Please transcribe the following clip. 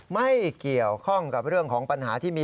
ไม่เกี่ยวข้องกับเรื่องของปัญหาที่มี